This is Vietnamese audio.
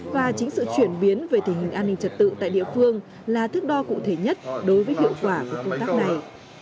và chính sự chuyển biến về tình hình an ninh trật tự tại địa phương là thước đo cụ thể nhất đối với hiệu quả của công tác này